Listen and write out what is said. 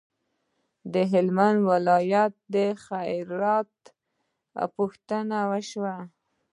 د هلمند ولایت څخه د خیریت پوښتنه شوه.